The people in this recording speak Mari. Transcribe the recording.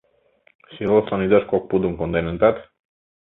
Силослан ӱдаш кок пудым конденытат.